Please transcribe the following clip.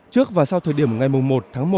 trước và sau thời điểm ngày một tháng một